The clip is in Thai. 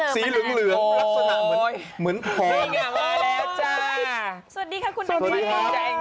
สีเหลืองเหลือง